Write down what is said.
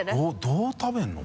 どう食べるの？